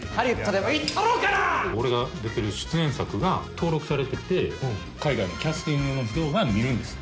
俺が出てる出演作が登録されてて海外のキャスティングの人が見るんです。